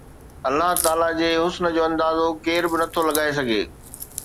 الله تعاليٰ جي حسن جو اندازو ڪير به نٿو لڳائي سگهي